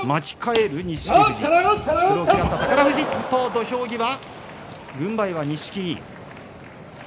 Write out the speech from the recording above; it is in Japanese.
土俵際、軍配は錦木。